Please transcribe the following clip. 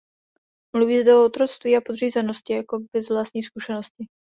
Mluví zde o otroctví a podřízenosti jakoby z vlastní zkušenosti.